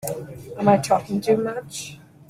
Am I talking too much?